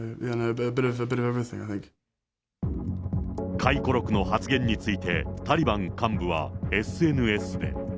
回顧録の発言について、タリバン幹部はＳＮＳで。